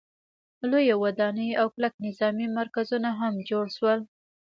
لویې ودانۍ او کلک نظامي مرکزونه هم جوړ شول.